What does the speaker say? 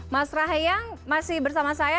mas rahayang masih bersama saya